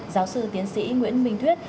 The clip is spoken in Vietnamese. giáo sư tiến sĩ nguyễn minh thuyết